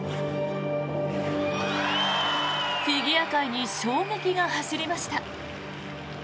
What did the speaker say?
フィギュア界に衝撃が走りました。